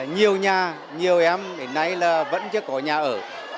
nhiều nhà nhiều em hồi nãy là vẫn chưa có nhà ở